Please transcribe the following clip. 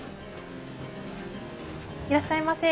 いらっしゃいませ。